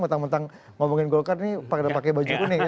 mentang mentang ngomongin golkar ini pakai baju kuning ya